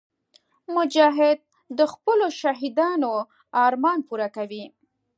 مجاهد د خپلو شهیدانو ارمان پوره کوي.